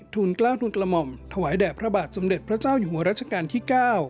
ทุนกล้าวทุนกระหม่อมถวายแด่พระบาทสมเด็จพระเจ้าอยู่หัวรัชกาลที่๙